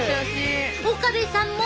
岡部さんも。